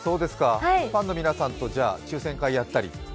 ファンの皆さんと抽選会やったり？